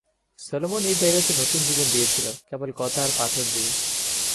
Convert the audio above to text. Solomon এ জায়গাকে নতুন জীবন দিয়েছিল, কেবল কথা আর পাথর দিয়ে!